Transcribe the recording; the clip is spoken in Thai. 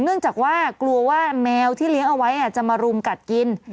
เนื่องจากว่ากลัวว่าแมวที่เลี้ยงเอาไว้จะมารุมกัดกิน